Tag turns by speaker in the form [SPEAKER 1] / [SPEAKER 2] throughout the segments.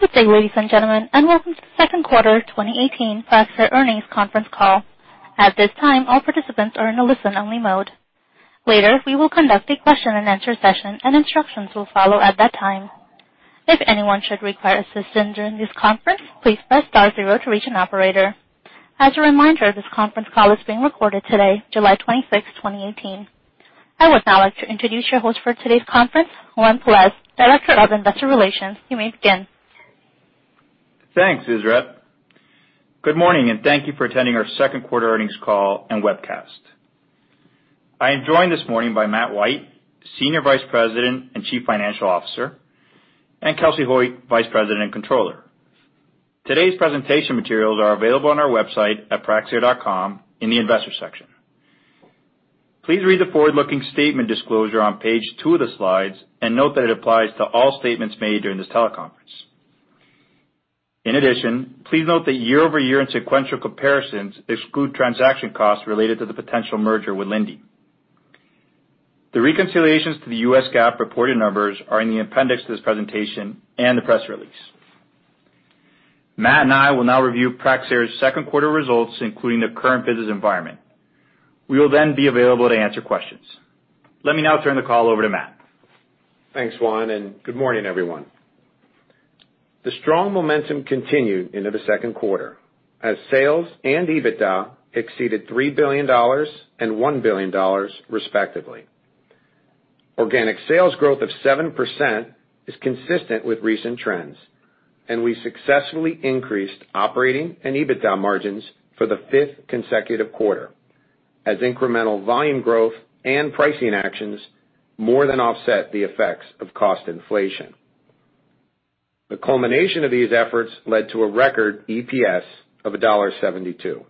[SPEAKER 1] Good day, ladies and gentlemen, welcome to the second quarter 2018 Praxair Earnings Conference Call. At this time, all participants are in a listen-only mode. Later, we will conduct a question and answer session, and instructions will follow at that time. If anyone should require assistance during this conference, please press star three to reach an operator. As a reminder, this conference call is being recorded today, July 26, 2018. I would now like to introduce your host for today's conference, Juan Pelaez, Director of Investor Relations. You may begin.
[SPEAKER 2] Thanks, Ezra. Good morning, thank you for attending our second quarter earnings call and webcast. I am joined this morning by Matt White, Senior Vice President and Chief Financial Officer, and Kelcey Hoyt, Vice President and Controller. Today's presentation materials are available on our website at praxair.com in the investors section. Please read the forward-looking statement disclosure on page two of the slides and note that it applies to all statements made during this teleconference. In addition, please note that year-over-year and sequential comparisons exclude transaction costs related to the potential merger with Linde. The reconciliations to the U.S. GAAP reported numbers are in the appendix to this presentation and the press release. Matt and I will now review Praxair's second quarter results, including the current business environment. We will then be available to answer questions. Let me now turn the call over to Matt.
[SPEAKER 3] Thanks, Juan, good morning, everyone. The strong momentum continued into the second quarter as sales and EBITDA exceeded $3 billion and $1 billion, respectively. Organic sales growth of 7% is consistent with recent trends, and we successfully increased operating and EBITDA margins for the fifth consecutive quarter, as incremental volume growth and pricing actions more than offset the effects of cost inflation. The culmination of these efforts led to a record EPS of $1.72.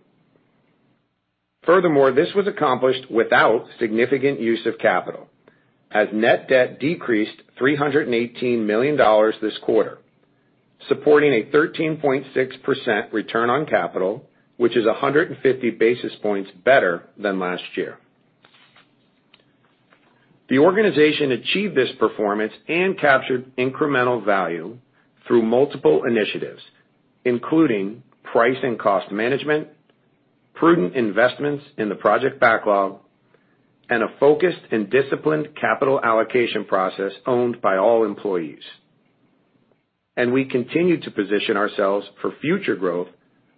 [SPEAKER 3] Furthermore, this was accomplished without significant use of capital, as net debt decreased $318 million this quarter, supporting a 13.6% return on capital, which is 150 basis points better than last year. The organization achieved this performance and captured incremental value through multiple initiatives, including price and cost management, prudent investments in the project backlog, and a focused and disciplined capital allocation process owned by all employees. We continue to position ourselves for future growth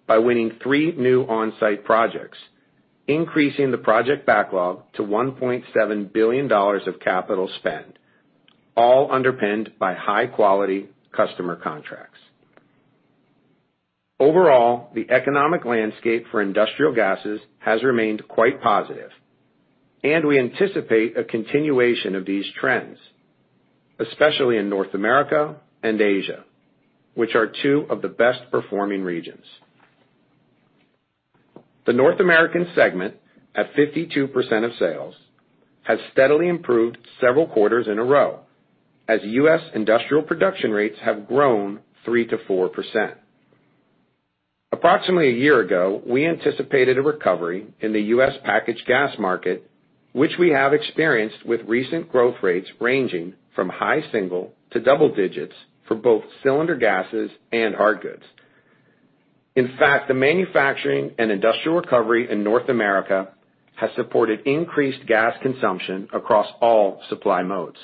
[SPEAKER 3] by winning three new on-site projects, increasing the project backlog to $1.7 billion of capital spend, all underpinned by high-quality customer contracts. Overall, the economic landscape for industrial gases has remained quite positive, and we anticipate a continuation of these trends, especially in North America and Asia, which are two of the best-performing regions. The North American segment, at 52% of sales, has steadily improved several quarters in a row as U.S. industrial production rates have grown 3%-4%. Approximately a year ago, we anticipated a recovery in the U.S. packaged gas market, which we have experienced with recent growth rates ranging from high single to double digits for both cylinder gases and hard goods. In fact, the manufacturing and industrial recovery in North America has supported increased gas consumption across all supply modes.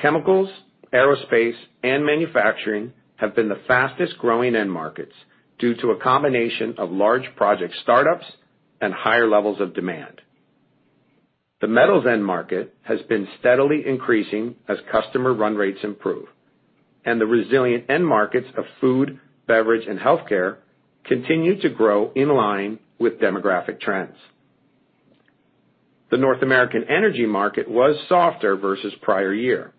[SPEAKER 3] Chemicals, aerospace, and manufacturing have been the fastest-growing end markets due to a combination of large project startups and higher levels of demand. The metals end market has been steadily increasing as customer run rates improve, and the resilient end markets of food, beverage, and healthcare continue to grow in line with demographic trends. The North American energy market was softer versus prior year,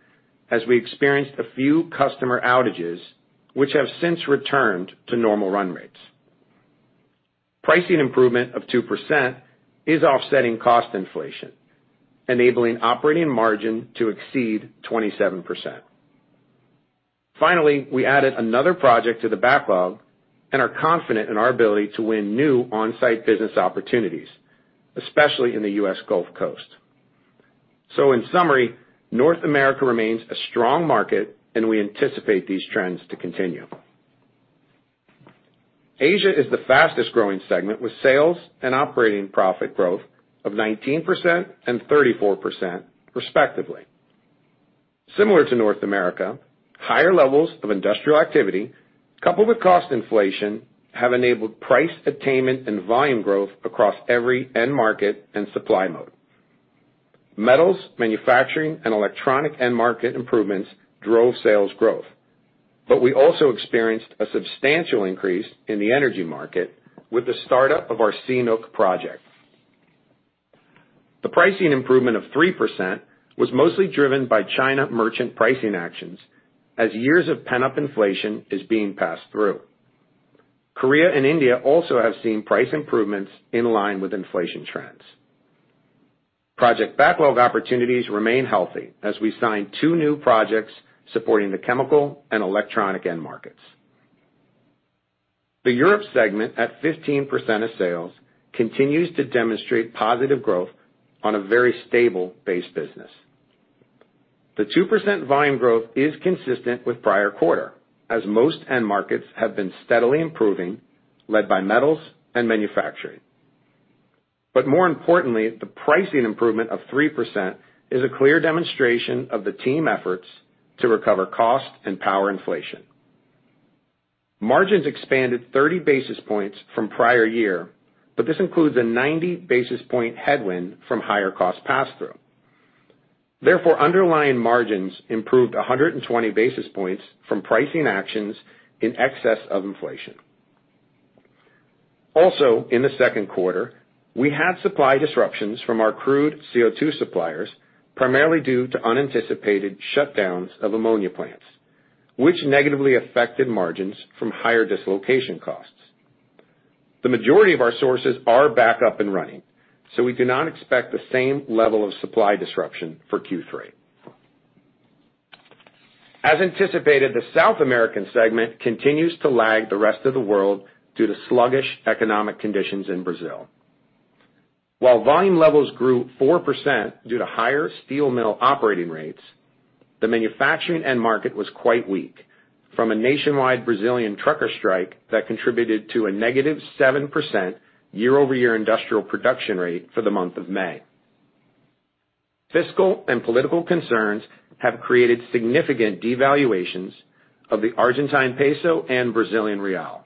[SPEAKER 3] as we experienced a few customer outages, which have since returned to normal run rates. Pricing improvement of 2% is offsetting cost inflation, enabling operating margin to exceed 27%. Finally, we added another project to the backlog and are confident in our ability to win new on-site business opportunities, especially in the U.S. Gulf Coast. In summary, North America remains a strong market, and we anticipate these trends to continue. Asia is the fastest-growing segment, with sales and operating profit growth of 19% and 34%, respectively. Similar to North America, higher levels of industrial activity, coupled with cost inflation, have enabled price attainment and volume growth across every end market and supply mode. Metals, manufacturing, and electronic end market improvements drove sales growth, but we also experienced a substantial increase in the energy market with the startup of our CNOOC project. The pricing improvement of 3% was mostly driven by China merchant pricing actions, as years of pent-up inflation is being passed through. Korea and India also have seen price improvements in line with inflation trends. Project backlog opportunities remain healthy as we sign two new projects supporting the chemical and electronic end markets. The Europe segment at 15% of sales continues to demonstrate positive growth on a very stable base business. The 2% volume growth is consistent with prior quarter, as most end markets have been steadily improving, led by metals and manufacturing. More importantly, the pricing improvement of 3% is a clear demonstration of the team efforts to recover cost and power inflation. Margins expanded 30 basis points from prior year, but this includes a 90 basis point headwind from higher cost passthrough. Therefore, underlying margins improved 120 basis points from pricing actions in excess of inflation. In the second quarter, we had supply disruptions from our crude CO2 suppliers, primarily due to unanticipated shutdowns of ammonia plants, which negatively affected margins from higher dislocation costs. The majority of our sources are back up and running, so we do not expect the same level of supply disruption for Q3. As anticipated, the South American segment continues to lag the rest of the world due to sluggish economic conditions in Brazil. While volume levels grew 4% due to higher steel mill operating rates, the manufacturing end market was quite weak from a nationwide Brazilian trucker strike that contributed to a negative 7% year-over-year industrial production rate for the month of May. Fiscal and political concerns have created significant devaluations of the Argentine peso and Brazilian real,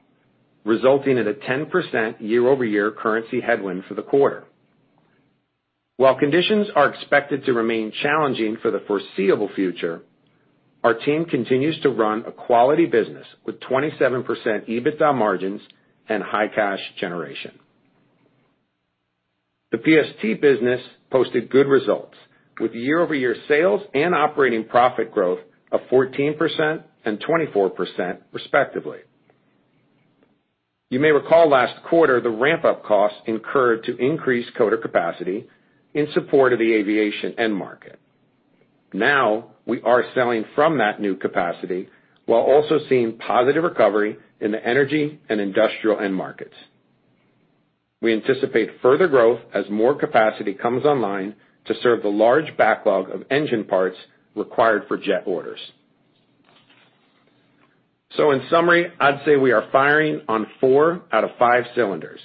[SPEAKER 3] resulting in a 10% year-over-year currency headwind for the quarter. While conditions are expected to remain challenging for the foreseeable future, our team continues to run a quality business with 27% EBITDA margins and high cash generation. The PST business posted good results with year-over-year sales and operating profit growth of 14% and 24% respectively. You may recall last quarter, the ramp-up costs incurred to increase coater capacity in support of the aviation end market. Now we are selling from that new capacity while also seeing positive recovery in the energy and industrial end markets. We anticipate further growth as more capacity comes online to serve the large backlog of engine parts required for jet orders. In summary, I'd say we are firing on four out of five cylinders.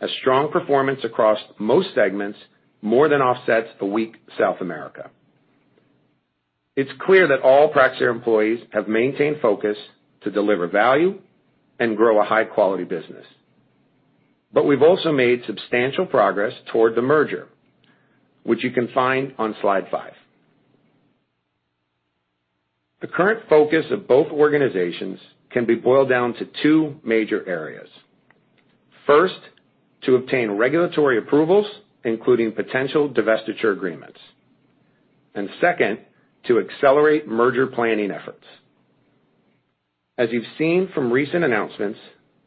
[SPEAKER 3] A strong performance across most segments more than offsets a weak South America. It's clear that all Praxair employees have maintained focus to deliver value and grow a high-quality business. We've also made substantial progress toward the merger, which you can find on slide five. The current focus of both organizations can be boiled down to two major areas. First, to obtain regulatory approvals, including potential divestiture agreements. Second, to accelerate merger planning efforts. As you've seen from recent announcements,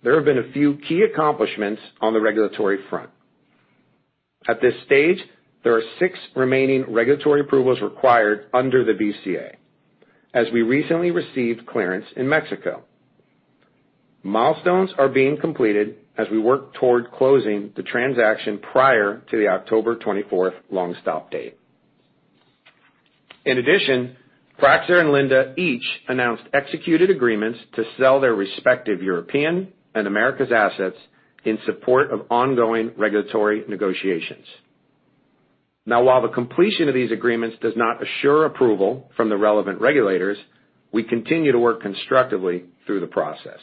[SPEAKER 3] there have been a few key accomplishments on the regulatory front. At this stage, there are six remaining regulatory approvals required under the BCA, as we recently received clearance in Mexico. Milestones are being completed as we work toward closing the transaction prior to the October 24th long-stop date. In addition, Praxair and Linde each announced executed agreements to sell their respective European and Americas assets in support of ongoing regulatory negotiations. While the completion of these agreements does not assure approval from the relevant regulators, we continue to work constructively through the process.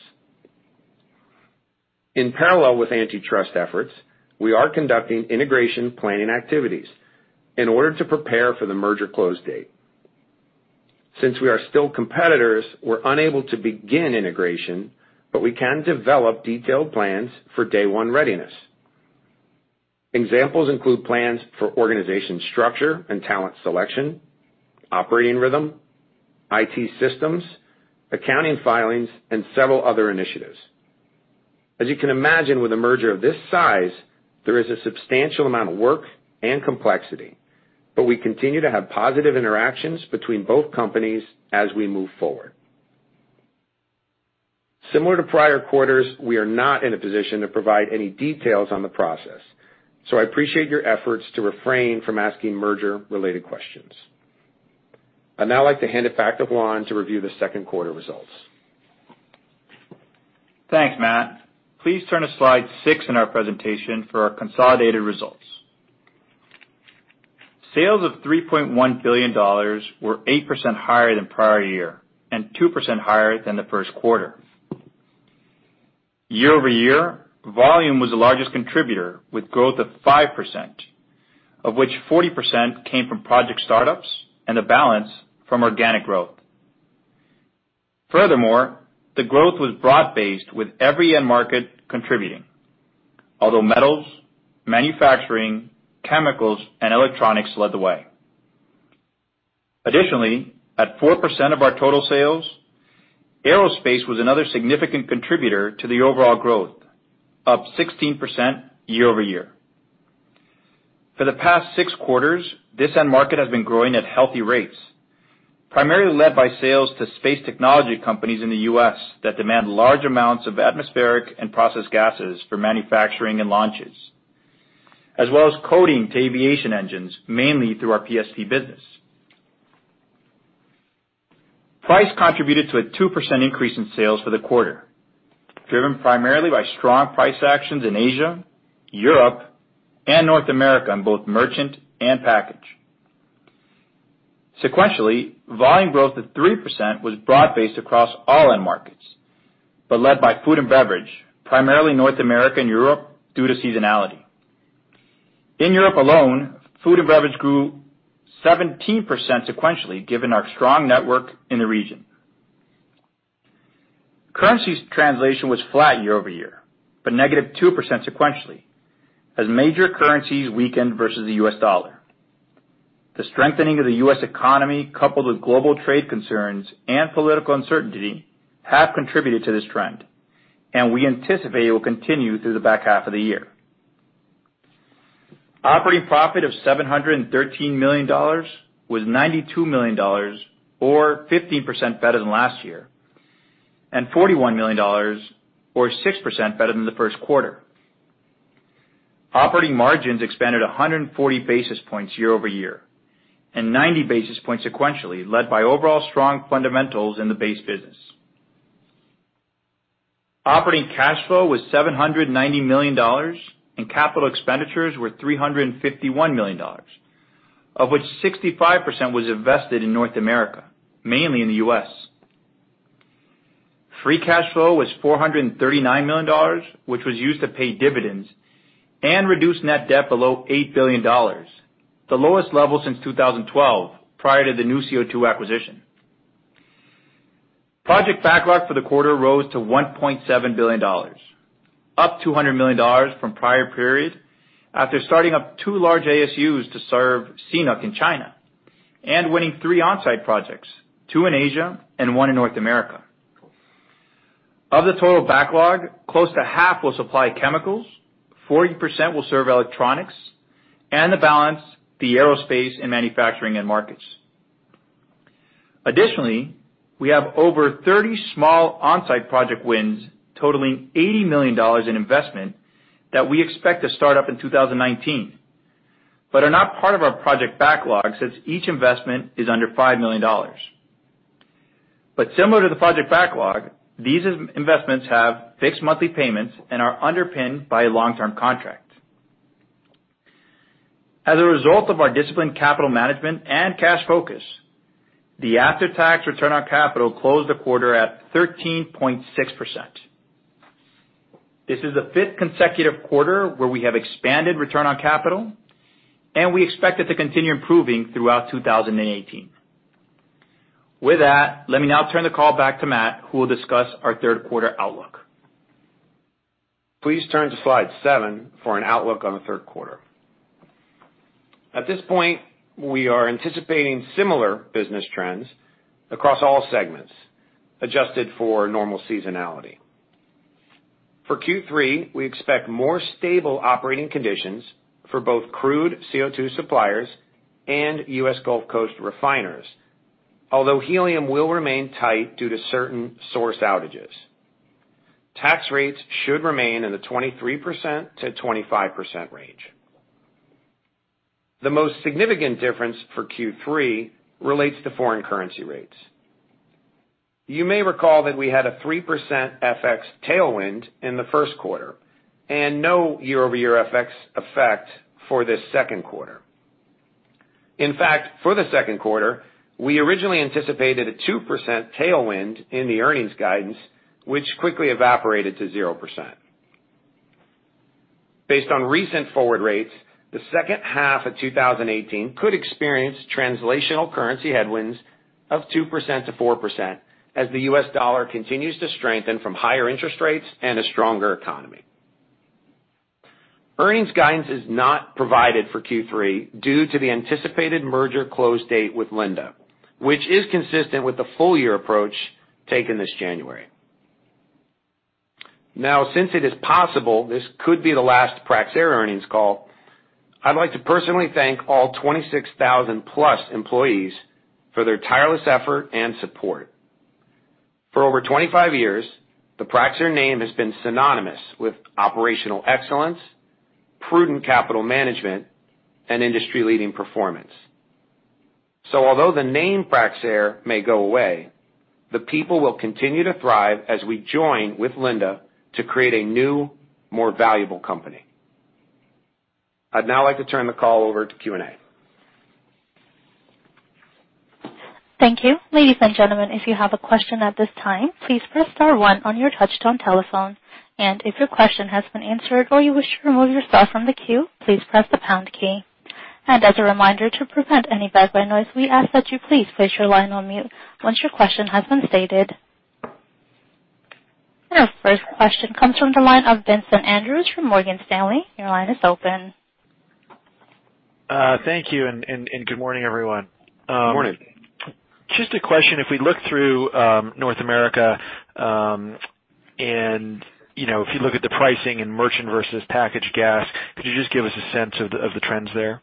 [SPEAKER 3] In parallel with antitrust efforts, we are conducting integration planning activities in order to prepare for the merger close date. Since we are still competitors, we're unable to begin integration, but we can develop detailed plans for day one readiness. Examples include plans for organization structure and talent selection, operating rhythm, IT systems, accounting filings, and several other initiatives. As you can imagine with a merger of this size, there is a substantial amount of work and complexity. We continue to have positive interactions between both companies as we move forward. Similar to prior quarters, we are not in a position to provide any details on the process. I appreciate your efforts to refrain from asking merger-related questions. I'd now like to hand it back to Juan to review the second quarter results.
[SPEAKER 2] Thanks, Matt. Please turn to slide six in our presentation for our consolidated results. Sales of $3.1 billion were 8% higher than prior year and 2% higher than the first quarter. Year-over-year, volume was the largest contributor with growth of 5%, of which 40% came from project startups and the balance from organic growth. Furthermore, the growth was broad-based with every end market contributing, although metals, manufacturing, chemicals, and electronics led the way. Additionally, at 4% of our total sales, aerospace was another significant contributor to the overall growth, up 16% year-over-year. For the past six quarters, this end market has been growing at healthy rates, primarily led by sales to space technology companies in the U.S. that demand large amounts of atmospheric and processed gases for manufacturing and launches, as well as coating to aviation engines, mainly through our PST business. Price contributed to a 2% increase in sales for the quarter, driven primarily by strong price actions in Asia, Europe, and North America in both merchant and package. Sequentially, volume growth of 3% was broad-based across all end markets, but led by food and beverage, primarily North America and Europe, due to seasonality. In Europe alone, food and beverage grew 17% sequentially, given our strong network in the region. Currency translation was flat year-over-year, but negative 2% sequentially, as major currencies weakened versus the U.S. dollar. The strengthening of the U.S. economy, coupled with global trade concerns and political uncertainty, have contributed to this trend, and we anticipate it will continue through the back half of the year. Operating profit of $713 million was $92 million, or 15% better than last year, and $41 million, or 6% better than the first quarter. Operating margins expanded 140 basis points year-over-year, and 90 basis points sequentially, led by overall strong fundamentals in the base business. Operating cash flow was $790 million, and capital expenditures were $351 million, of which 65% was invested in North America, mainly in the U.S. Free cash flow was $439 million, which was used to pay dividends and reduce net debt below $8 billion, the lowest level since 2012, prior to the NuCO2 acquisition. Project backlog for the quarter rose to $1.7 billion, up $200 million from prior period, after starting up two large ASUs to serve Sinopec in China and winning three on-site projects, two in Asia and one in North America. Of the total backlog, close to half will supply chemicals, 40% will serve electronics, and the balance the aerospace and manufacturing end markets. Additionally, we have over 30 small on-site project wins totaling $80 million in investment that we expect to start up in 2019, but are not part of our project backlog, since each investment is under $5 million. Similar to the project backlog, these investments have fixed monthly payments and are underpinned by a long-term contract. As a result of our disciplined capital management and cash focus, the after-tax return on capital closed the quarter at 13.6%. This is the fifth consecutive quarter where we have expanded return on capital, and we expect it to continue improving throughout 2018. With that, let me now turn the call back to Matt, who will discuss our third quarter outlook.
[SPEAKER 3] Please turn to slide seven for an outlook on the third quarter. At this point, we are anticipating similar business trends across all segments, adjusted for normal seasonality. For Q3, we expect more stable operating conditions for both crude CO2 suppliers and U.S. Gulf Coast refiners. Although helium will remain tight due to certain source outages. Tax rates should remain in the 23%-25% range. The most significant difference for Q3 relates to foreign currency rates. You may recall that we had a 3% FX tailwind in the first quarter, and no year-over-year FX effect for this second quarter. In fact, for the second quarter, we originally anticipated a 2% tailwind in the earnings guidance, which quickly evaporated to 0%. Based on recent forward rates, the second half of 2018 could experience translational currency headwinds of 2%-4% as the U.S. dollar continues to strengthen from higher interest rates and a stronger economy. Earnings guidance is not provided for Q3 due to the anticipated merger close date with Linde, which is consistent with the full-year approach taken this January. Since it is possible this could be the last Praxair earnings call, I'd like to personally thank all 26,000-plus employees for their tireless effort and support. For over 25 years, the Praxair name has been synonymous with operational excellence, prudent capital management, and industry-leading performance. Although the name Praxair may go away, the people will continue to thrive as we join with Linde to create a new, more valuable company. I'd now like to turn the call over to Q&A.
[SPEAKER 1] Thank you. Ladies and gentlemen, if you have a question at this time, please press star one on your touchtone telephone. If your question has been answered or you wish to remove yourself from the queue, please press the pound key. As a reminder, to prevent any background noise, we ask that you please place your line on mute once your question has been stated. Our first question comes from the line of Vincent Andrews from Morgan Stanley. Your line is open.
[SPEAKER 2] Thank you. Good morning, everyone.
[SPEAKER 3] Morning.
[SPEAKER 4] Just a question. If we look through North America, if you look at the pricing in merchant versus packaged gas, could you just give us a sense of the trends there?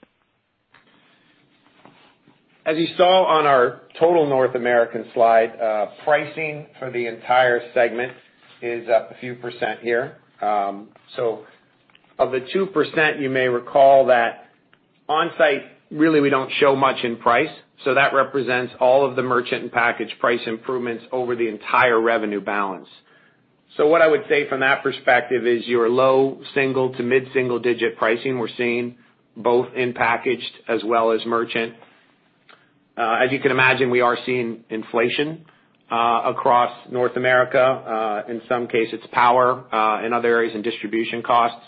[SPEAKER 3] As you saw on our total North American slide, pricing for the entire segment is up a few % here. Of the 2%, you may recall that onsite, really, we don't show much in price. That represents all of the merchant and package price improvements over the entire revenue balance. What I would say from that perspective is your low single- to mid-single-digit pricing we're seeing both in packaged as well as merchant. As you can imagine, we are seeing inflation across North America. In some cases, it's power. In other areas, in distribution costs.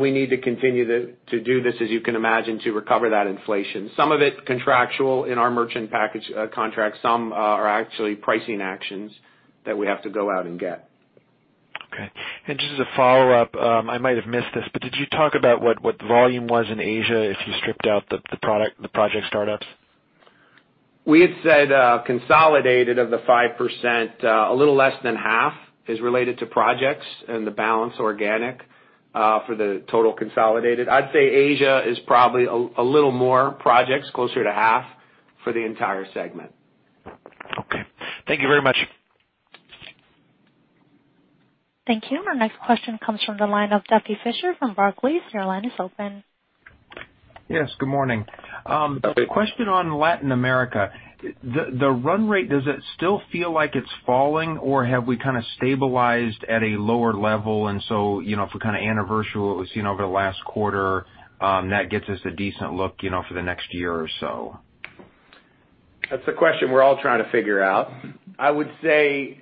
[SPEAKER 3] We need to continue to do this, as you can imagine, to recover that inflation. Some of it contractual in our merchant package contracts. Some are actually pricing actions that we have to go out and get.
[SPEAKER 4] Okay. Just as a follow-up, I might have missed this, did you talk about what the volume was in Asia if you stripped out the project startups?
[SPEAKER 3] We had said consolidated of the 5%, a little less than half is related to projects and the balance organic for the total consolidated. I'd say Asia is probably a little more projects, closer to half for the entire segment.
[SPEAKER 4] Okay. Thank you very much.
[SPEAKER 1] Thank you. Our next question comes from the line of Duffy Fischer from Barclays. Your line is open.
[SPEAKER 5] Yes, good morning.
[SPEAKER 3] Good morning.
[SPEAKER 5] Question on Latin America. The run rate, does it still feel like it's falling, or have we kind of stabilized at a lower level, if we kind of annualize what we've seen over the last quarter, that gets us a decent look for the next year or so?
[SPEAKER 3] That's the question we're all trying to figure out. I would say,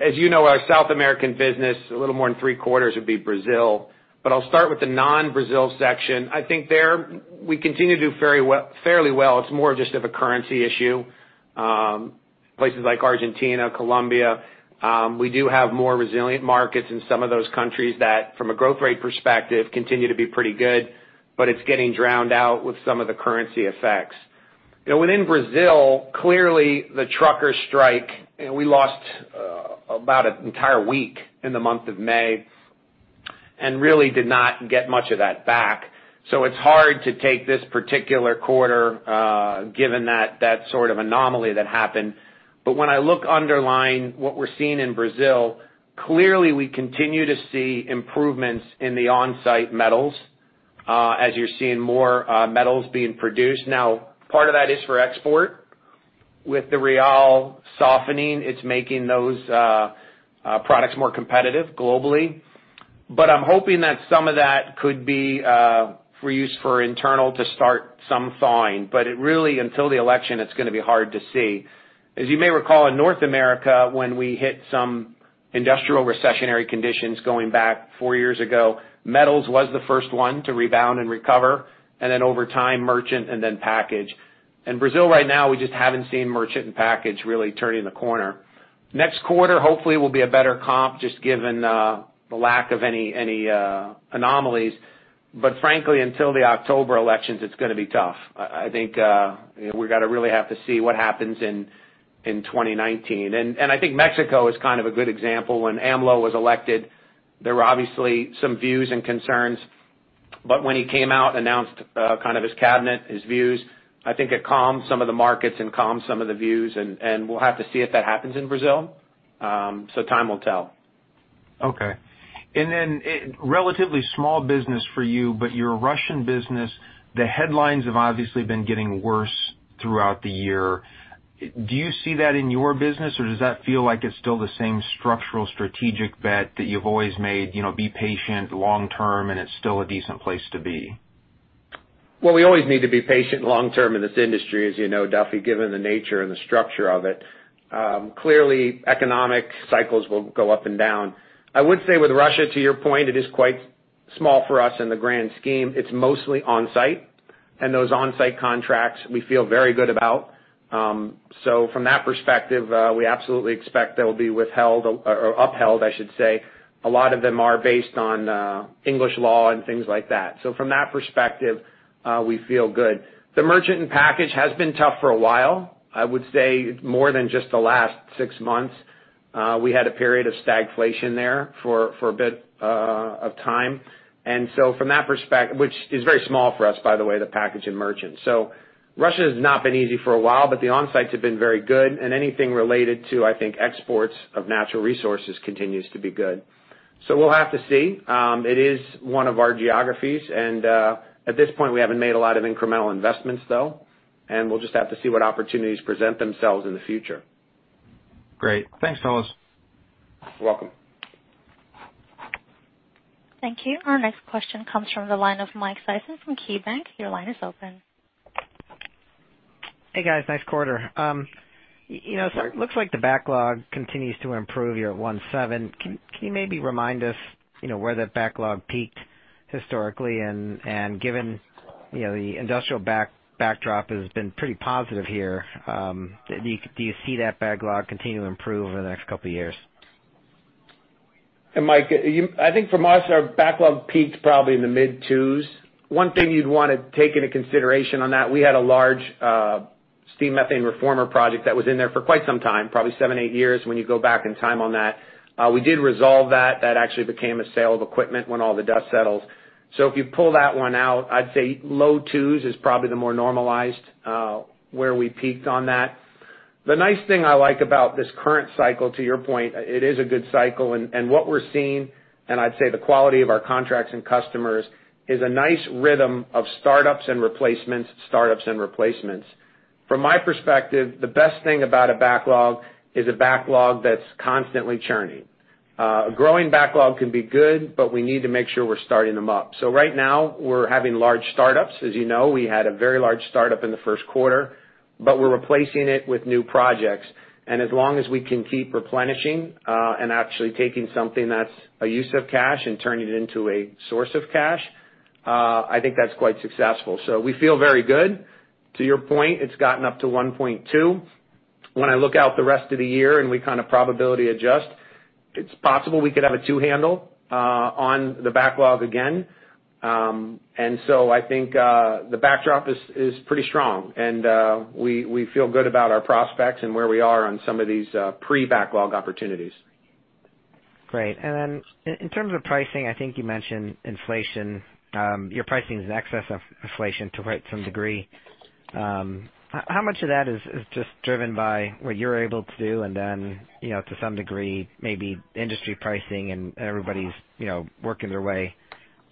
[SPEAKER 3] as you know, our South American business, a little more than three-quarters would be Brazil, but I'll start with the non-Brazil section. I think there we continue to do fairly well. It's more just of a currency issue. Places like Argentina, Colombia, we do have more resilient markets in some of those countries that, from a growth rate perspective, continue to be pretty good, but it's getting drowned out with some of the currency effects. In Brazil, clearly the trucker strike, we lost about an entire week in the month of May and really did not get much of that back. It's hard to take this particular quarter, given that sort of anomaly that happened. When I look underlying what we're seeing in Brazil, clearly we continue to see improvements in the onsite metals as you're seeing more metals being produced. Now, part of that is for export. With the real softening, it's making those products more competitive globally. I'm hoping that some of that could be for use for internal to start some thawing. It really, until the election, it's going to be hard to see. As you may recall, in North America, when we hit some industrial recessionary conditions going back four years ago, metals was the first one to rebound and recover, and then over time, merchant and then package. In Brazil right now, we just haven't seen merchant and package really turning the corner. Next quarter, hopefully, will be a better comp, just given the lack of any anomalies. Frankly, until the October elections, it's going to be tough. I think we're going to really have to see what happens in 2019. I think Mexico is kind of a good example. When AMLO was elected, there were obviously some views and concerns, when he came out and announced kind of his cabinet, his views, I think it calmed some of the markets and calmed some of the views, we'll have to see if that happens in Brazil. Time will tell.
[SPEAKER 5] Okay. Then a relatively small business for you, your Russian business, the headlines have obviously been getting worse throughout the year. Do you see that in your business, does that feel like it's still the same structural strategic bet that you've always made, be patient long term and it's still a decent place to be?
[SPEAKER 3] Well, we always need to be patient long term in this industry, as you know, Duffy, given the nature and the structure of it. Clearly, economic cycles will go up and down. I would say with Russia, to your point, it is quite small for us in the grand scheme. It's mostly onsite, and those onsite contracts we feel very good about. From that perspective, we absolutely expect they'll be withheld or upheld, I should say. A lot of them are based on English law and things like that. From that perspective, we feel good. The merchant and package has been tough for a while. I would say more than just the last six months. We had a period of stagflation there for a bit of time. From that perspective, which is very small for us, by the way, the package and merchant. Russia has not been easy for a while, but the onsites have been very good and anything related to, I think, exports of natural resources continues to be good. We'll have to see. It is one of our geographies and at this point, we haven't made a lot of incremental investments though, and we'll just have to see what opportunities present themselves in the future. Great. Thanks, Phyllis. You're welcome.
[SPEAKER 1] Thank you. Our next question comes from the line of Michael Sison from KeyBanc. Your line is open.
[SPEAKER 6] Hey, guys, nice quarter. It looks like the backlog continues to improve. You're at $1.7. Can you maybe remind us where that backlog peaked historically and given the industrial backdrop has been pretty positive here, do you see that backlog continue to improve over the next couple of years?
[SPEAKER 3] Mike, I think for us, our backlog peaked probably in the mid twos. One thing you'd want to take into consideration on that, we had a large steam methane reformer project that was in there for quite some time, probably seven, eight years when you go back in time on that. We did resolve that. That actually became a sale of equipment when all the dust settles. If you pull that one out, I'd say low twos is probably the more normalized where we peaked on that. The nice thing I like about this current cycle, to your point, it is a good cycle, and what we're seeing, and I'd say the quality of our contracts and customers, is a nice rhythm of startups and replacements. From my perspective, the best thing about a backlog is a backlog that's constantly churning. A growing backlog can be good, but we need to make sure we're starting them up. Right now, we're having large startups. As you know, we had a very large startup in the first quarter, but we're replacing it with new projects. As long as we can keep replenishing, and actually taking something that's a use of cash and turning it into a source of cash, I think that's quite successful. We feel very good. To your point, it's gotten up to $1.2 billion. When I look out the rest of the year and we kind of probability adjust, it's possible we could have a two handle on the backlog again. I think the backdrop is pretty strong, and we feel good about our prospects and where we are on some of these pre-backlog opportunities.
[SPEAKER 6] Great. Then in terms of pricing, I think you mentioned inflation. Your pricing is in excess of inflation to some degree. How much of that is just driven by what you're able to do and then, to some degree, maybe industry pricing and everybody's working their way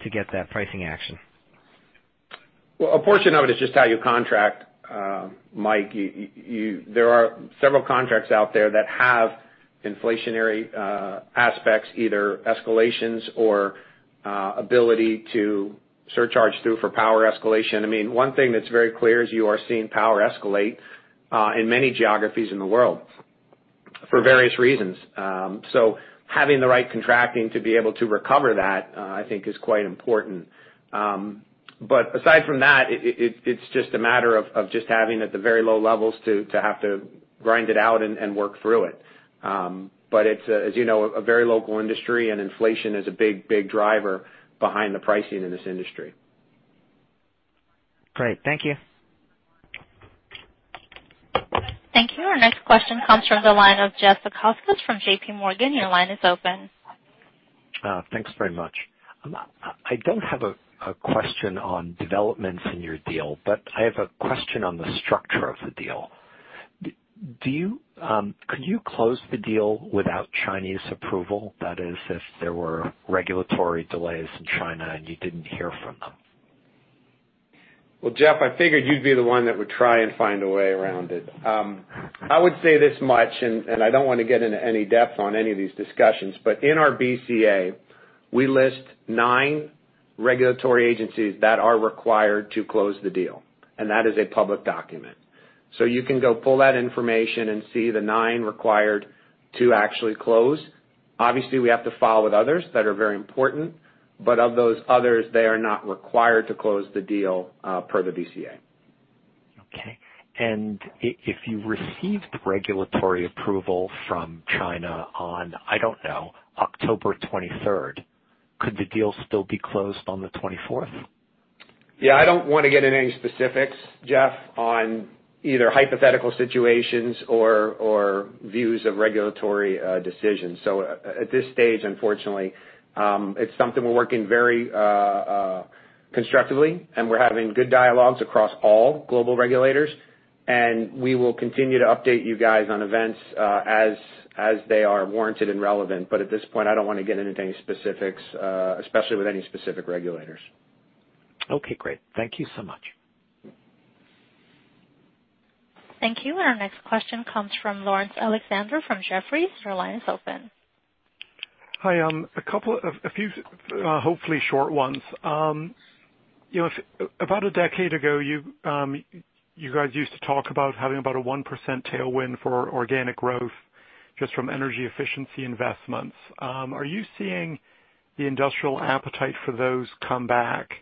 [SPEAKER 6] to get that pricing action?
[SPEAKER 3] Well, a portion of it is just how you contract, Mike. There are several contracts out there that have inflationary aspects, either escalations or ability to surcharge through for power escalation. One thing that's very clear is you are seeing power escalate, in many geographies in the world for various reasons. Having the right contracting to be able to recover that, I think is quite important. Aside from that, it's just a matter of just having at the very low levels to have to grind it out and work through it. It's, as you know, a very local industry and inflation is a big driver behind the pricing in this industry.
[SPEAKER 6] Great. Thank you.
[SPEAKER 1] Thank you. Our next question comes from the line of Jeff Zekauskas from JPMorgan. Your line is open.
[SPEAKER 7] Thanks very much. I don't have a question on developments in your deal, but I have a question on the structure of the deal. Could you close the deal without Chinese approval? That is, if there were regulatory delays in China, and you didn't hear from them.
[SPEAKER 3] Well, Jeff, I figured you'd be the one that would try and find a way around it. I would say this much, I don't want to get into any depth on any of these discussions, but in our BCA, we list nine regulatory agencies that are required to close the deal, and that is a public document. You can go pull that information and see the nine required to actually close. Obviously, we have to follow with others that are very important, but of those others, they are not required to close the deal, per the BCA.
[SPEAKER 7] Okay. If you received regulatory approval from China on, I don't know, October 23rd, could the deal still be closed on the 24th?
[SPEAKER 3] Yeah, I don't want to get into any specifics, Jeff, on either hypothetical situations or views of regulatory decisions. At this stage, unfortunately, it's something we're working very constructively and we're having good dialogues across all global regulators, and we will continue to update you guys on events as they are warranted and relevant. At this point, I don't want to get into any specifics, especially with any specific regulators.
[SPEAKER 7] Okay, great. Thank you so much.
[SPEAKER 1] Thank you. Our next question comes from Laurence Alexander, from Jefferies. Your line is open.
[SPEAKER 8] Hi. A few hopefully short ones. About a decade ago, you guys used to talk about having about a 1% tailwind for organic growth just from energy efficiency investments. Are you seeing the industrial appetite for those come back?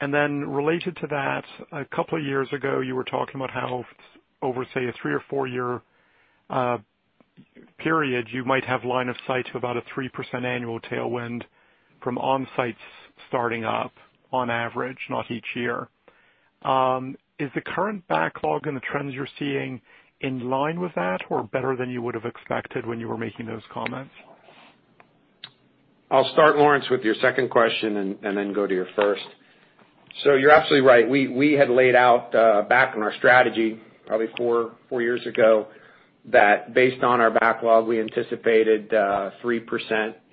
[SPEAKER 8] Related to that, a couple of years ago, you were talking about how over, say, a three or four year period, you might have line of sight to about a 3% annual tailwind from onsites starting up on average, not each year. Is the current backlog and the trends you're seeing in line with that, or better than you would have expected when you were making those comments?
[SPEAKER 3] I'll start, Laurence, with your second question and then go to your first. You're absolutely right. We had laid out, back in our strategy probably four years ago, that based on our backlog, we anticipated 3%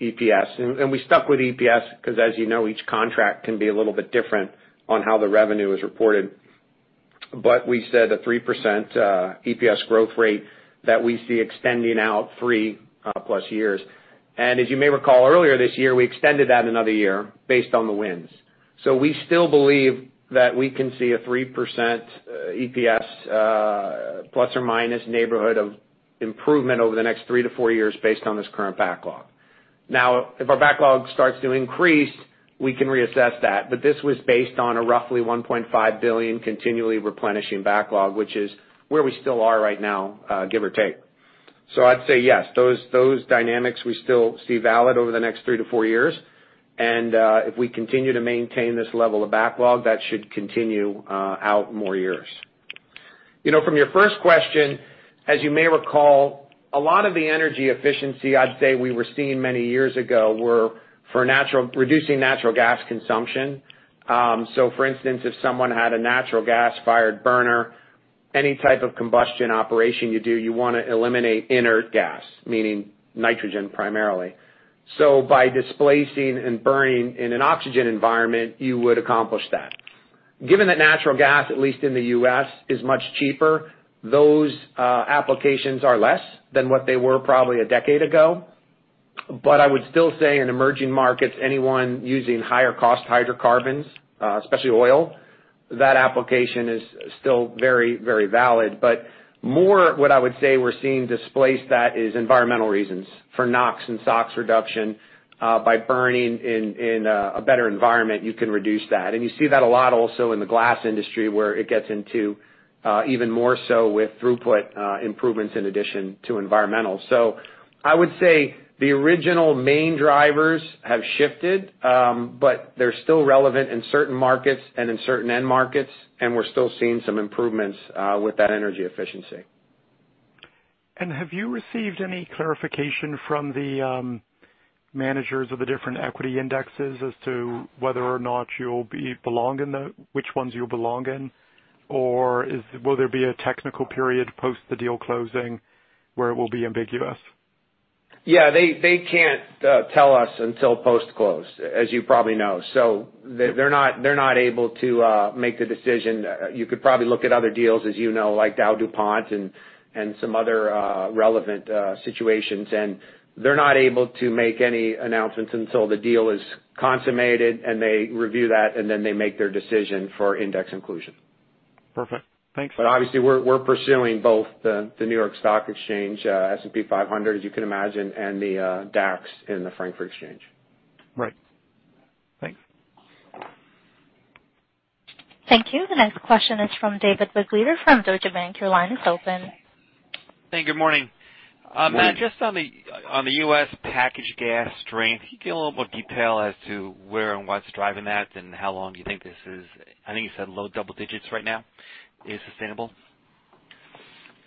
[SPEAKER 3] EPS. We stuck with EPS because as you know, each contract can be a little bit different on how the revenue is reported. We said a 3% EPS growth rate that we see extending out three plus years. As you may recall, earlier this year, we extended that another year based on the winds. We still believe that we can see a 3% EPS, plus or minus neighborhood of improvement over the next three to four years based on this current backlog. If our backlog starts to increase, we can reassess that. This was based on a roughly $1.5 billion continually replenishing backlog, which is where we still are right now, give or take. I'd say yes, those dynamics we still see valid over the next 3 to 4 years, and if we continue to maintain this level of backlog, that should continue out more years. From your first question, as you may recall, a lot of the energy efficiency, I'd say, we were seeing many years ago were for reducing natural gas consumption. For instance, if someone had a natural gas-fired burner, any type of combustion operation you do, you want to eliminate inert gas, meaning nitrogen primarily. By displacing and burning in an oxygen environment, you would accomplish that. Given that natural gas, at least in the U.S., is much cheaper, those applications are less than what they were probably a decade ago. I would still say in emerging markets, anyone using higher cost hydrocarbons, especially oil, that application is still very valid. More what I would say we're seeing displace that is environmental reasons for NOx and SOx reduction. By burning in a better environment, you can reduce that. You see that a lot also in the glass industry, where it gets into even more so with throughput improvements in addition to environmental. I would say the original main drivers have shifted, they're still relevant in certain markets and in certain end markets, and we're still seeing some improvements with that energy efficiency.
[SPEAKER 8] Have you received any clarification from the managers of the different equity indexes as to whether or not you'll belong in which ones you'll belong in? Will there be a technical period post the deal closing where it will be ambiguous?
[SPEAKER 3] Yeah. They can't tell us until post-close, as you probably know. They're not able to make the decision. You could probably look at other deals as you know, like DowDuPont and some other relevant situations. They're not able to make any announcements until the deal is consummated and they review that, and then they make their decision for index inclusion.
[SPEAKER 8] Perfect. Thanks.
[SPEAKER 3] Obviously, we're pursuing both the New York Stock Exchange, S&P 500, as you can imagine, and the DAX in the Frankfurt exchange.
[SPEAKER 8] Right. Thanks.
[SPEAKER 1] Thank you. The next question is from David Begleiter from Deutsche Bank. Your line is open.
[SPEAKER 9] Hey, good morning.
[SPEAKER 3] Morning.
[SPEAKER 9] Matt, just on the U.S. packaged gas strength, can you give a little more detail as to where and what's driving that and how long you think this is, I think you said low double digits right now, is sustainable?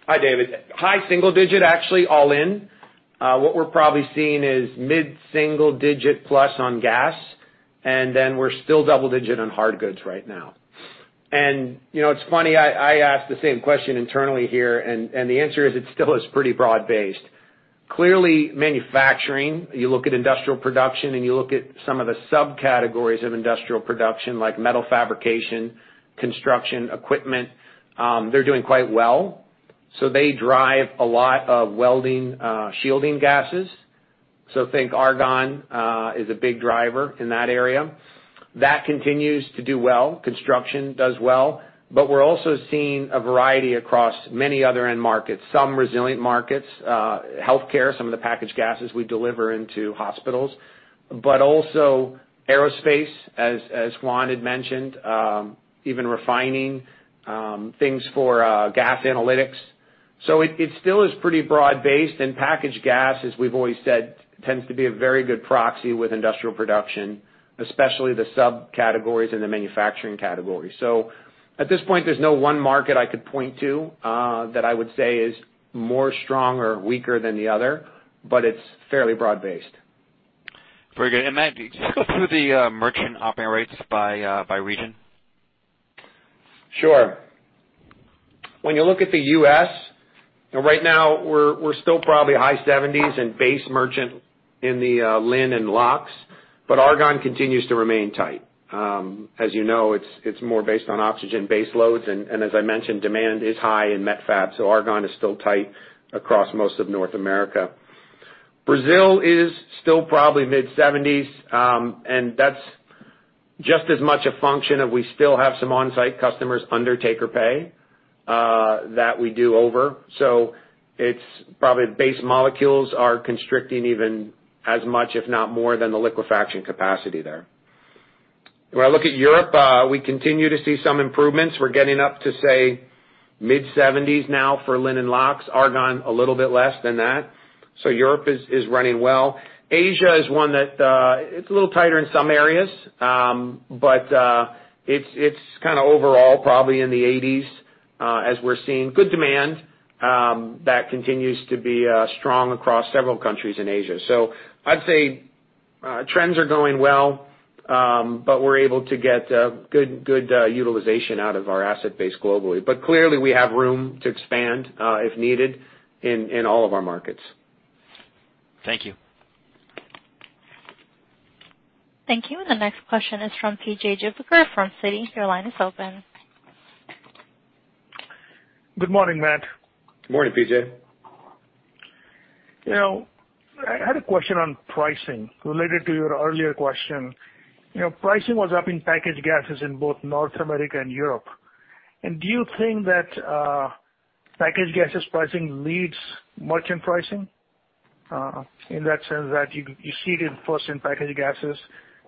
[SPEAKER 3] Hi, David. High single digit, actually, all in. What we're probably seeing is mid-single digit plus on gas, then we're still double digit on hard goods right now. It's funny, I asked the same question internally here, and the answer is it still is pretty broad-based. Clearly, manufacturing, you look at industrial production and you look at some of the subcategories of industrial production like metal fabrication, construction, equipment. They're doing quite well. They drive a lot of welding, shielding gases. Think argon is a big driver in that area. That continues to do well. Construction does well. We're also seeing a variety across many other end markets. Some resilient markets, healthcare, some of the packaged gases we deliver into hospitals. Also aerospace, as Juan had mentioned, even refining things for gas analytics. It still is pretty broad-based, and packaged gas, as we've always said, tends to be a very good proxy with industrial production, especially the subcategories in the manufacturing category. At this point, there's no one market I could point to that I would say is more strong or weaker than the other, it's fairly broad-based.
[SPEAKER 9] Very good. Matt, could you just go through the merchant operating rates by region?
[SPEAKER 3] Sure. When you look at the U.S., right now, we're still probably high 70s in base merchant in the LIN and LOX, but argon continues to remain tight. As you know, it's more based on oxygen base loads, and as I mentioned, demand is high in met fab, so argon is still tight across most of North America. Brazil is still probably mid-70s, and that's just as much a function of we still have some on-site customers under take-or-pay that we do over. It's probably base molecules are constricting even as much, if not more, than the liquefaction capacity there. When I look at Europe, we continue to see some improvements. We're getting up to, say, mid-70s now for LIN and LOX. argon, a little bit less than that. Europe is running well. Asia is one that is a little tighter in some areas. It's kind of overall probably in the 80s as we're seeing good demand that continues to be strong across several countries in Asia. I'd say trends are going well, but we're able to get good utilization out of our asset base globally. Clearly, we have room to expand, if needed, in all of our markets.
[SPEAKER 9] Thank you.
[SPEAKER 1] Thank you. The next question is from P.J. Juvekar from Citi. Your line is open.
[SPEAKER 10] Good morning, Matt.
[SPEAKER 3] Good morning, PJ.
[SPEAKER 10] I had a question on pricing related to your earlier question. Pricing was up in packaged gases in both North America and Europe. Do you think that packaged gases pricing leads merchant pricing? In that sense that you see it first in packaged gases,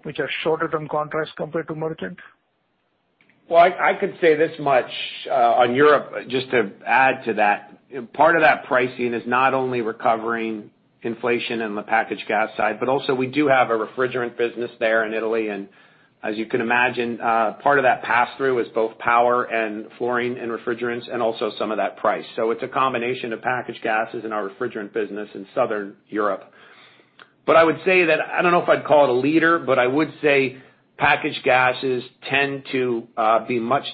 [SPEAKER 10] which are shorter term contracts compared to merchant?
[SPEAKER 3] Well, I could say this much on Europe, just to add to that. Part of that pricing is not only recovering inflation in the packaged gas side, but also we do have a refrigerant business there in Italy, and as you can imagine, part of that pass-through is both power and fluorine and refrigerants and also some of that price. It's a combination of packaged gases in our refrigerant business in Southern Europe. I would say that, I don't know if I'd call it a leader, but I would say packaged gases tend to be much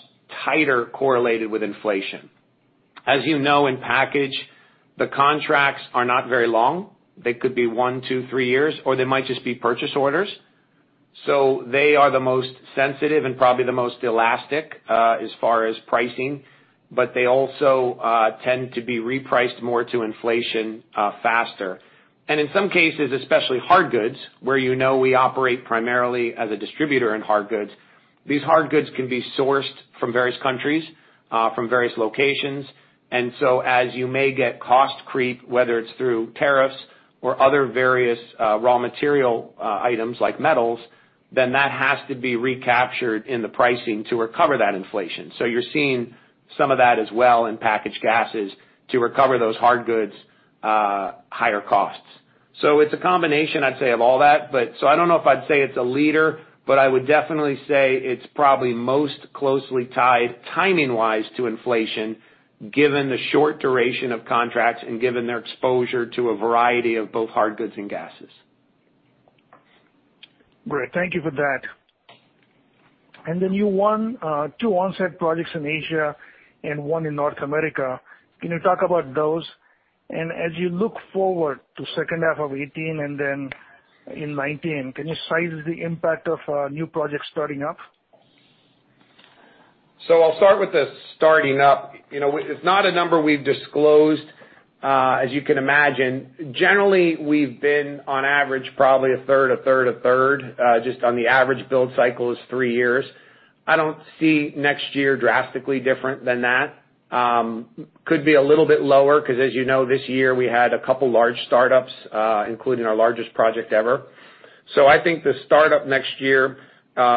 [SPEAKER 3] tighter correlated with inflation. As you know, in package, the contracts are not very long. They could be one, two, three years, or they might just be purchase orders. They are the most sensitive and probably the most elastic as far as pricing, but they also tend to be repriced more to inflation faster. In some cases, especially hard goods, where you know we operate primarily as a distributor in hard goods, these hard goods can be sourced from various countries, from various locations. As you may get cost creep, whether it's through tariffs or other various raw material items like metals, then that has to be recaptured in the pricing to recover that inflation. You're seeing some of that as well in packaged gases to recover those hard goods higher costs. It's a combination, I'd say, of all that. I don't know if I'd say it's a leader, but I would definitely say it's probably most closely tied timing-wise to inflation, given the short duration of contracts and given their exposure to a variety of both hard goods and gases.
[SPEAKER 10] Great. Thank you for that. You won two on-site projects in Asia and one in North America. Can you talk about those? As you look forward to second half of 2018 and then in 2019, can you size the impact of new projects starting up?
[SPEAKER 3] I'll start with the starting up. It's not a number we've disclosed, as you can imagine. Generally, we've been on average probably a third, a third, a third. The average build cycle is three years. I don't see next year drastically different than that. Could be a little bit lower because, as you know, this year we had a couple large startups, including our largest project ever. I think the startup next year,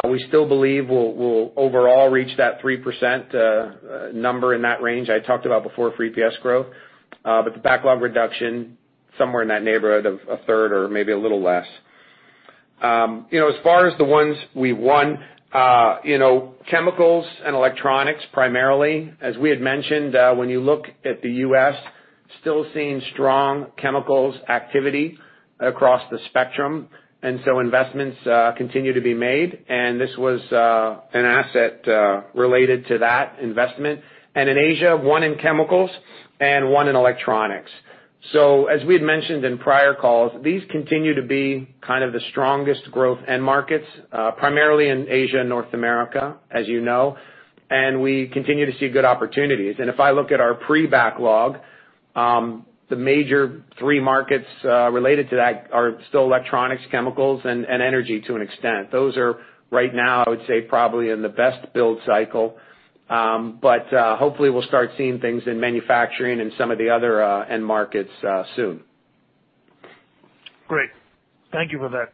[SPEAKER 3] we still believe will overall reach that 3% number in that range I talked about before for EPS growth. The backlog reduction, somewhere in that neighborhood of a third or maybe a little less. As far as the ones we won, chemicals and electronics primarily. As we had mentioned, when you look at the U.S., still seeing strong chemicals activity across the spectrum. Investments continue to be made, and this was an asset related to that investment. In Asia, one in chemicals and one in electronics. As we had mentioned in prior calls, these continue to be kind of the strongest growth end markets, primarily in Asia and North America, as you know, and we continue to see good opportunities. If I look at our pre-backlog, the major three markets related to that are still electronics, chemicals, and energy to an extent. Those are right now, I would say, probably in the best build cycle. Hopefully we'll start seeing things in manufacturing and some of the other end markets soon.
[SPEAKER 10] Great. Thank you for that.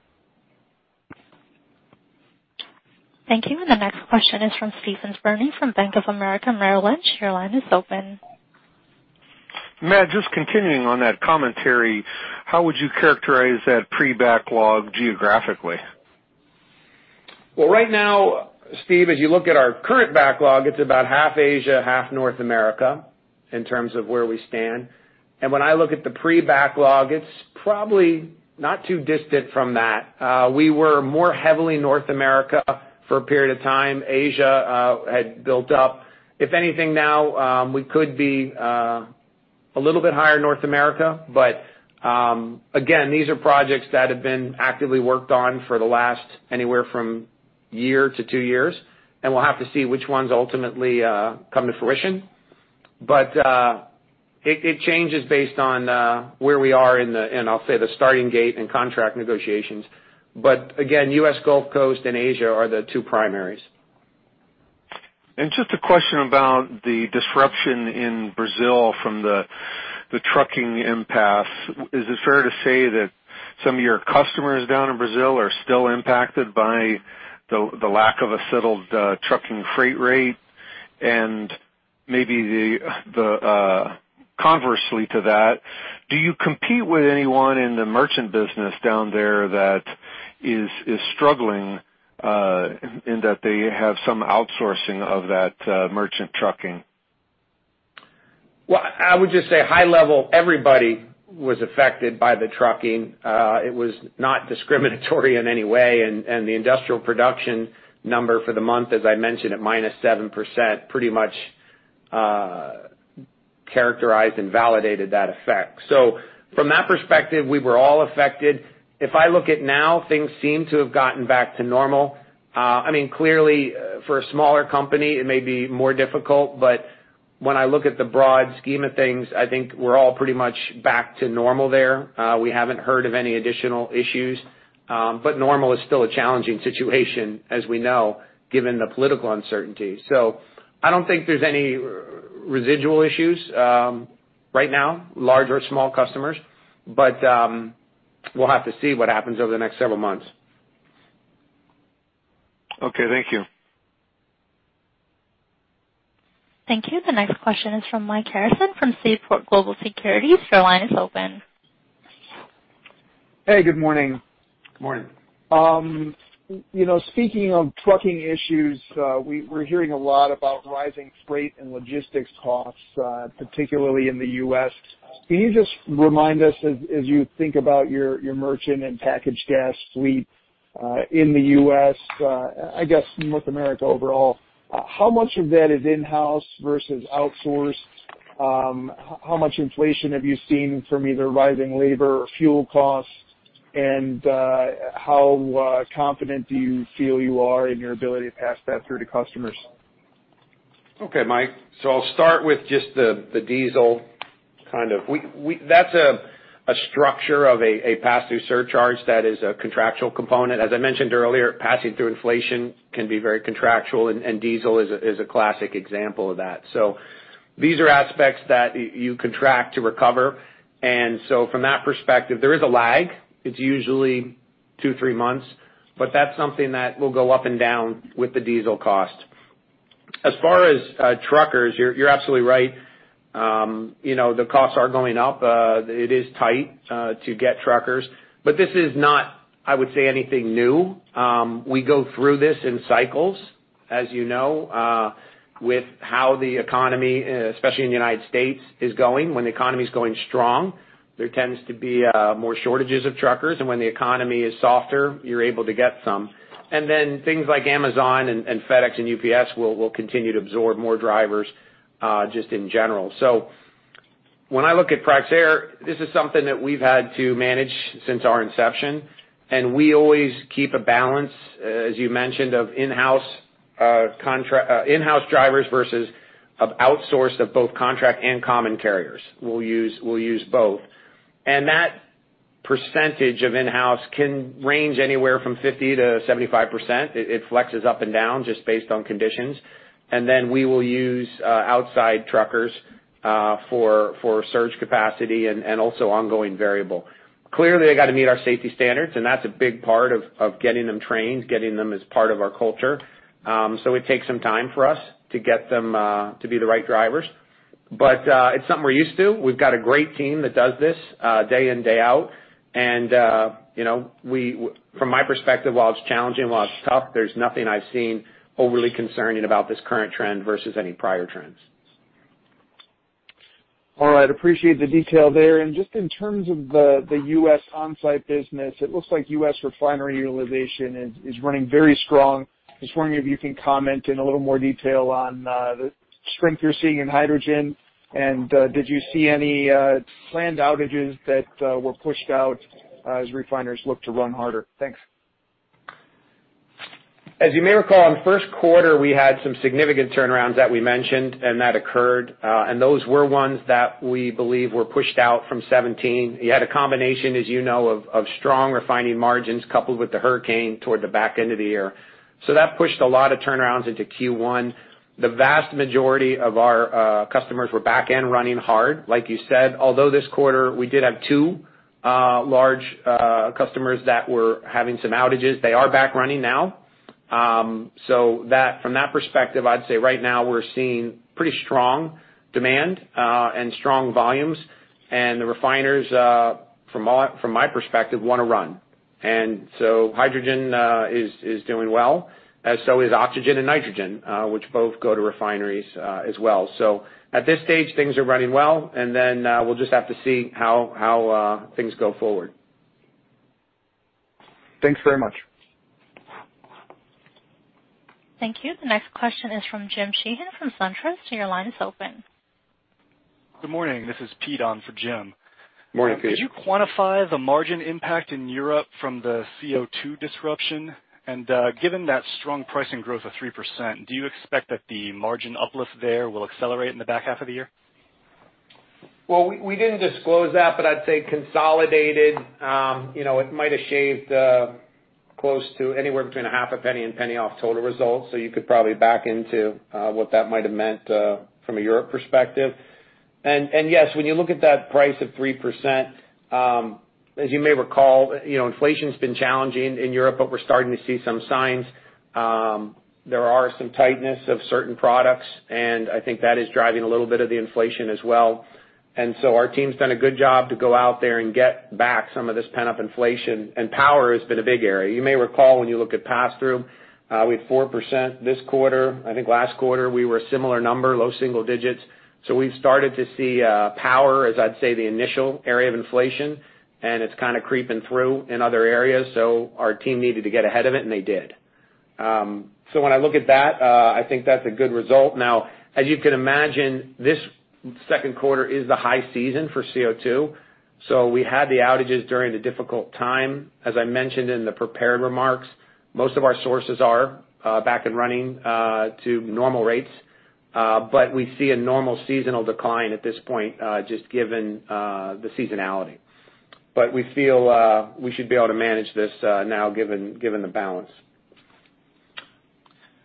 [SPEAKER 1] Thank you. The next question is from Steve Byrne from Bank of America Merrill Lynch. Your line is open.
[SPEAKER 11] Matt, just continuing on that commentary, how would you characterize that pre-backlog geographically?
[SPEAKER 3] Well, right now, Stephen, as you look at our current backlog, it's about half Asia, half North America in terms of where we stand. When I look at the pre-backlog, it's probably not too distant from that. We were more heavily North America for a period of time. Asia had built up. If anything now, we could be a little bit higher North America. Again, these are projects that have been actively worked on for the last anywhere from year to two years, and we'll have to see which ones ultimately come to fruition. It changes based on where we are in the, and I'll say the starting gate and contract negotiations. Again, U.S. Gulf Coast and Asia are the two primaries.
[SPEAKER 11] Just a question about the disruption in Brazil from the trucking impasse. Is it fair to say that some of your customers down in Brazil are still impacted by the lack of a settled trucking freight rate? Maybe conversely to that, do you compete with anyone in the merchant business down there that is struggling in that they have some outsourcing of that merchant trucking?
[SPEAKER 3] Well, I would just say high-level, everybody was affected by the trucking. It was not discriminatory in any way, and the industrial production number for the month, as I mentioned, at -7%, pretty much characterized and validated that effect. From that perspective, we were all affected. If I look at now, things seem to have gotten back to normal. Clearly for a smaller company, it may be more difficult, but When I look at the broad scheme of things, I think we're all pretty much back to normal there. We haven't heard of any additional issues. Normal is still a challenging situation, as we know, given the political uncertainty. I don't think there's any residual issues right now, large or small customers. We'll have to see what happens over the next several months.
[SPEAKER 11] Okay, thank you.
[SPEAKER 1] Thank you. The next question is from Michael Harrison from Seaport Global Securities. Your line is open.
[SPEAKER 12] Hey, good morning.
[SPEAKER 3] Good morning.
[SPEAKER 12] Speaking of trucking issues, we're hearing a lot about rising freight and logistics costs, particularly in the U.S. Can you just remind us as you think about your merchant and packaged gas fleet in the U.S., I guess North America overall, how much of that is in-house versus outsourced? How much inflation have you seen from either rising labor or fuel costs? How confident do you feel you are in your ability to pass that through to customers?
[SPEAKER 3] Okay, Mike. I'll start with just the diesel. That's a structure of a pass-through surcharge that is a contractual component. As I mentioned earlier, passing through inflation can be very contractual, and diesel is a classic example of that. These are aspects that you contract to recover. From that perspective, there is a lag. It's usually two, three months, but that's something that will go up and down with the diesel cost. As far as truckers, you're absolutely right. The costs are going up. It is tight to get truckers, but this is not, I would say, anything new. We go through this in cycles, as you know, with how the economy, especially in the U.S., is going. When the economy's going strong, there tends to be more shortages of truckers, and when the economy is softer, you're able to get some. Things like Amazon and FedEx and UPS will continue to absorb more drivers, just in general. When I look at Praxair, this is something that we've had to manage since our inception, we always keep a balance, as you mentioned, of in-house drivers versus outsourced of both contract and common carriers. We'll use both. That percentage of in-house can range anywhere from 50%-75%. It flexes up and down just based on conditions. We will use outside truckers for surge capacity and also ongoing variable. Clearly, they got to meet our safety standards, and that's a big part of getting them trained, getting them as part of our culture. It takes some time for us to get them to be the right drivers. It's something we're used to. We've got a great team that does this day in, day out. From my perspective, while it's challenging, while it's tough, there's nothing I've seen overly concerning about this current trend versus any prior trends.
[SPEAKER 12] All right. Appreciate the detail there. Just in terms of the U.S. on-site business, it looks like U.S. refinery utilization is running very strong. I was wondering if you can comment in a little more detail on the strength you're seeing in hydrogen, and did you see any planned outages that were pushed out as refiners look to run harder? Thanks.
[SPEAKER 3] As you may recall, on first quarter, we had some significant turnarounds that we mentioned and that occurred. Those were ones that we believe were pushed out from 2017. You had a combination, as you know, of strong refining margins coupled with the hurricane toward the back end of the year. That pushed a lot of turnarounds into Q1. The vast majority of our customers were back and running hard, like you said, although this quarter we did have two large customers that were having some outages. They are back running now. From that perspective, I'd say right now we're seeing pretty strong demand and strong volumes. The refiners from my perspective, want to run. hydrogen is doing well, as so is oxygen and nitrogen, which both go to refineries as well. At this stage, things are running well, we'll just have to see how things go forward.
[SPEAKER 12] Thanks very much.
[SPEAKER 1] Thank you. The next question is from Jim Sheehan from SunTrust. Your line is open.
[SPEAKER 13] Good morning. This is Pete on for Jim.
[SPEAKER 3] Morning, Pete.
[SPEAKER 13] Could you quantify the margin impact in Europe from the CO2 disruption? Given that strong pricing growth of 3%, do you expect that the margin uplift there will accelerate in the back half of the year?
[SPEAKER 3] Well, we didn't disclose that, but I'd say consolidated, it might have shaved close to anywhere between a half a penny and a penny off total results. You could probably back into what that might have meant from a Europe perspective. Yes, when you look at that price of 3%, as you may recall, inflation's been challenging in Europe, but we're starting to see some signs. There are some tightness of certain products, and I think that is driving a little bit of the inflation as well. Our team's done a good job to go out there and get back some of this pent-up inflation. Power has been a big area. You may recall when you look at pass-through, we had 4% this quarter. I think last quarter we were a similar number, low single digits. We've started to see power as, I'd say, the initial area of inflation, and it's kind of creeping through in other areas. Our team needed to get ahead of it, and they did. When I look at that, I think that's a good result. Now, as you can imagine, this second quarter is the high season for CO2. We had the outages during the difficult time. As I mentioned in the prepared remarks, most of our sources are back and running to normal rates, but we see a normal seasonal decline at this point, just given the seasonality. We feel we should be able to manage this now, given the balance.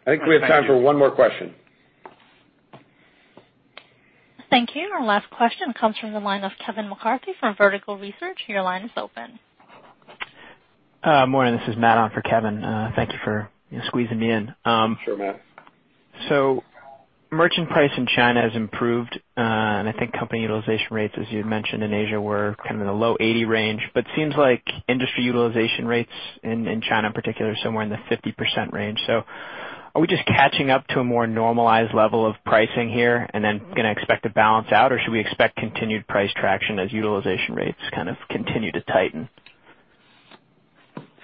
[SPEAKER 3] I think we have time for one more question.
[SPEAKER 1] Thank you. Our last question comes from the line of Kevin McCarthy from Vertical Research. Your line is open.
[SPEAKER 14] Morning, this is Matt on for Kevin. Thank you for squeezing me in.
[SPEAKER 3] Sure, Matt.
[SPEAKER 14] Merchant price in China has improved, and I think company utilization rates, as you had mentioned in Asia, were kind of in the low 80 range, but seems like industry utilization rates in China in particular, somewhere in the 50% range. Are we just catching up to a more normalized level of pricing here and then going to expect to balance out, or should we expect continued price traction as utilization rates kind of continue to tighten?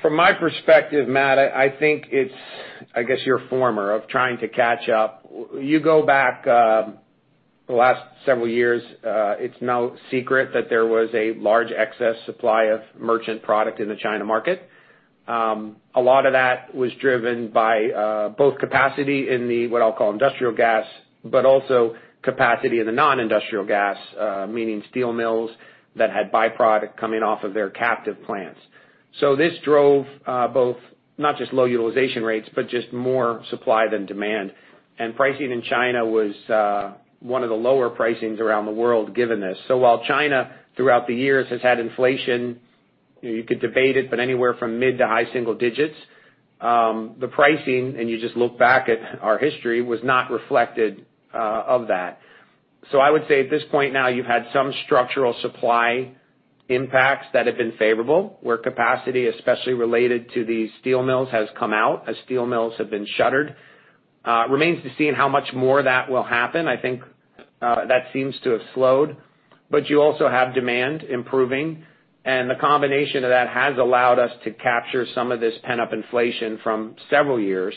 [SPEAKER 3] From my perspective, Matt, I think it's, I guess, your former of trying to catch up. You go back the last several years, it's no secret that there was a large excess supply of merchant product in the China market. A lot of that was driven by both capacity in the, what I'll call industrial gas, but also capacity in the non-industrial gas, meaning steel mills that had byproduct coming off of their captive plants. This drove both, not just low utilization rates, but just more supply than demand. Pricing in China was one of the lower pricings around the world, given this. While China, throughout the years, has had inflation, you could debate it, but anywhere from mid to high single digits, the pricing, and you just look back at our history, was not reflected of that. I would say at this point now, you've had some structural supply impacts that have been favorable, where capacity, especially related to the steel mills, has come out as steel mills have been shuttered. Remains to see in how much more that will happen. I think that seems to have slowed, but you also have demand improving, and the combination of that has allowed us to capture some of this pent-up inflation from several years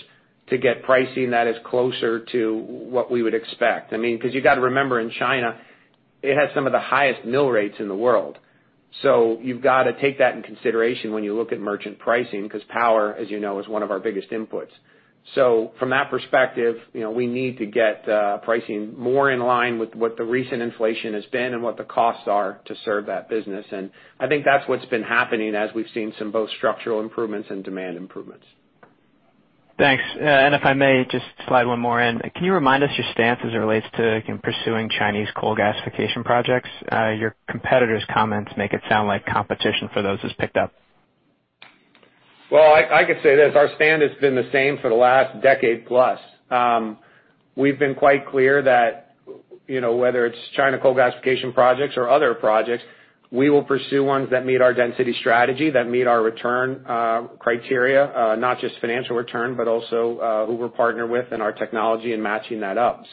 [SPEAKER 3] to get pricing that is closer to what we would expect. Because you got to remember, in China, it has some of the highest mill rates in the world. You've got to take that into consideration when you look at merchant pricing, because power, as you know, is one of our biggest inputs. From that perspective, we need to get pricing more in line with what the recent inflation has been and what the costs are to serve that business. I think that's what's been happening as we've seen some both structural improvements and demand improvements.
[SPEAKER 14] Thanks. If I may just slide one more in. Can you remind us your stance as it relates to pursuing Chinese coal gasification projects? Your competitor's comments make it sound like competition for those has picked up.
[SPEAKER 3] Well, I could say this. Our stand has been the same for the last decade plus. We've been quite clear that whether it's China coal gasification projects or other projects, we will pursue ones that meet our density strategy, that meet our return criteria. Not just financial return, but also who we're partnered with and our technology and matching that up.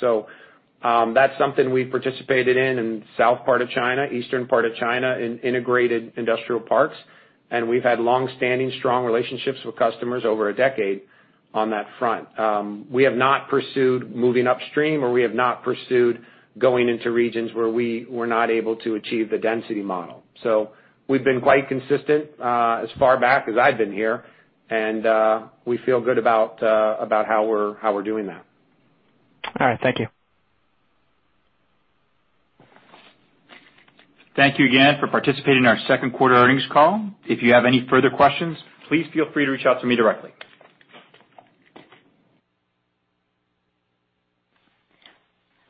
[SPEAKER 3] That's something we've participated in in south part of China, eastern part of China, in integrated industrial parks, and we've had longstanding, strong relationships with customers over a decade on that front. We have not pursued moving upstream, or we have not pursued going into regions where we were not able to achieve the density model. We've been quite consistent as far back as I've been here, and we feel good about how we're doing that.
[SPEAKER 14] All right. Thank you.
[SPEAKER 3] Thank you again for participating in our second quarter earnings call. If you have any further questions, please feel free to reach out to me directly.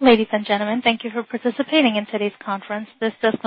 [SPEAKER 1] Ladies and gentlemen, thank you for participating in today's conference. This does